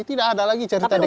tidak ada lagi cerita dikirim